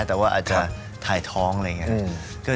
แต่ว่าอาจจะถ่ายท้องอะไรอย่างนี้